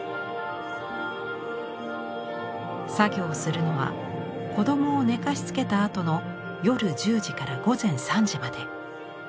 作業をするのは子供を寝かしつけたあとの夜１０時から午前３時まで。